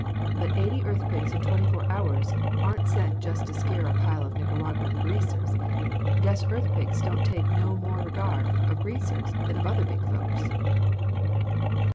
But eighty earthquakes in twenty four hours aren't sent just to scare a pile of Nicaraguan Greasers. Guess earthquakes don't take no more regard of Greasers than of other big folks!"